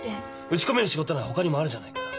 打ち込める仕事ならほかにもあるじゃないか。